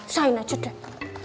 sain aja deh